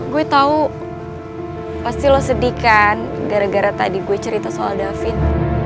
gue tau pasti lo sedih kan gara gara tadi gue cerita soal david